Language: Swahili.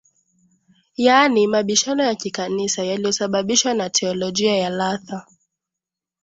yaani mabishano ya Kikanisa yaliyosababishwa na teolojia ya Luther